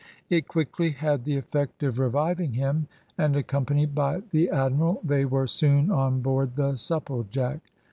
It quickly had the effect of reviving him, and accompanied by the admiral they were soon on board the Supplejack.